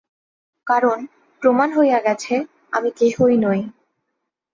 কারণ, প্রমাণ হইয়া গেছে, আমি কেহই নই।